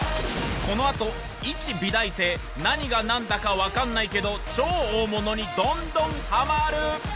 このあといち美大生何がなんだかわかんないけど超大物にどんどんハマる！